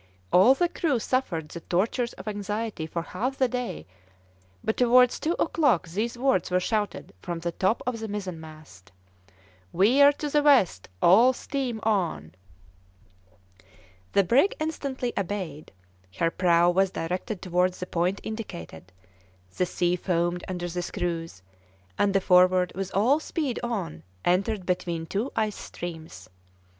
All the crew suffered the tortures of anxiety for half the day, but towards two o'clock these words were shouted from the top of the mizenmast: "Veer to the west, all steam on." The brig instantly obeyed; her prow was directed towards the point indicated; the sea foamed under the screws, and the Forward, with all speed on, entered between two ice streams.